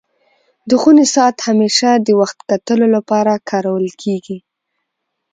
د خوني ساعت همېشه د وخت کتلو لپاره کارول کيږي.